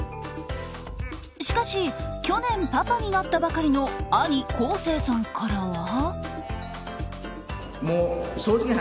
しかし、去年パパになったばかりの兄・昴生さんからは。